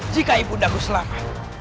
jika ibu undahku selamat